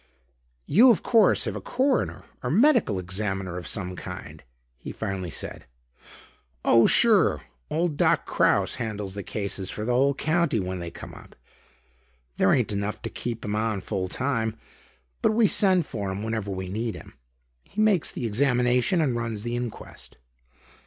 "You of course have a coroner or medical examiner of some kind," he finally said. "Oh, sure. Old Doc Kraus handles the cases for the whole county when they come up. There ain't enough to keep him on full time, but we send for him whenever we need him. He makes the examination and runs the inquest."